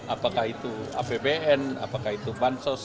apakah itu apbn apakah itu bansos